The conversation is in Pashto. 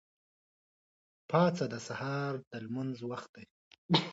پاڅه! د سهار د لمونځ وخت دی.